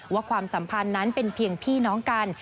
ความสัมพันธ์นั้นเป็นเพียงพี่น้องกัน